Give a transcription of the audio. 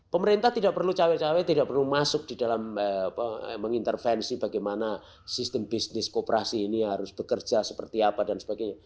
pemerintah tidak perlu cawe cawe tidak perlu masuk di dalam mengintervensi bagaimana sistem bisnis kooperasi ini harus bekerja seperti apa dan sebagainya